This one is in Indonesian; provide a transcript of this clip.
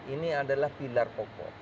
ini adalah pilar pokok